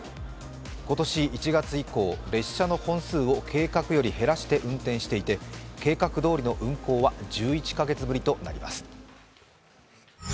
今年１月以降、列車の本数を計画より減らして運転していて計画どおりの運行は１１カ月ぶりとなります。